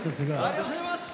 ありがとうございます。